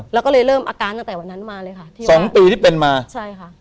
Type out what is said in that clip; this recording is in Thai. แล้วก็เลยเริ่มอาการตั้งแต่วันนั้นมาเลยค่ะสองปีที่เป็นมาใช่ค่ะ